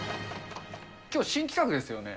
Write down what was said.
きょう、新企画ですよね？